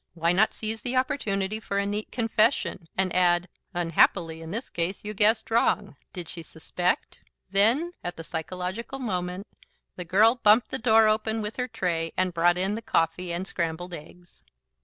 Why not seize the opportunity for a neat confession, and add, "unhappily in this case you guessed wrong." Did she suspect? Then, at the psychological moment, the girl bumped the door open with her tray and brought in the coffee and scrambled eggs.